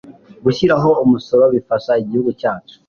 Gushiraho umusoro bifasha igihugu cyacu